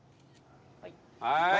はい。